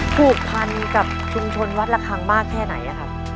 ผูกพันกับชุมชนวัดระคังมากแค่ไหนครับ